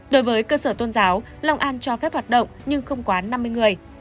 đối với cơ sở tôn giáo long an cho phép hoạt động nhưng không quá năm mươi người